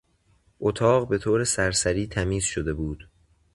اتاق به طور سرسری تمیز شده بود.